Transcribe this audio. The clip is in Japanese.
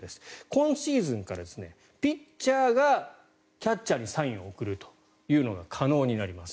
今シーズンからピッチャーがキャッチャーにサインを送るというのが可能になります。